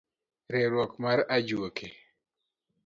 Riwruok mar ajwoke.